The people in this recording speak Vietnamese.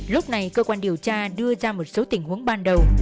lúc này cơ quan điều tra đưa ra một số tình huống ban đầu